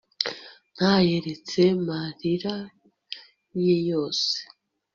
ntanyeretse amarira ye yose